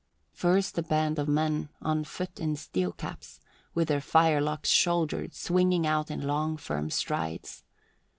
First a band of men on foot in steel caps, with their firelocks shouldered, swinging out in long, firm strides.